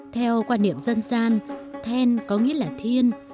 theo quan niệm dân gian then có nghĩa là thiên